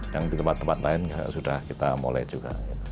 yang di tempat tempat lain sudah kita mulai juga